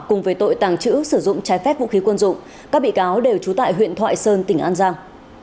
cùng với tội tàng trữ sử dụng trái phép vũ khí quân dụng các bị cáo đều trú tại huyện thoại sơn tỉnh an giang